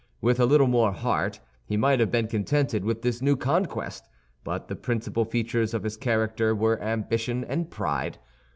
With a little more heart, he might have been contented with this new conquest; but the principal features of his character were ambition and pride.